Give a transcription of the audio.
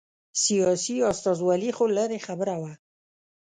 سیاسي استازولي خو لرې خبره وه.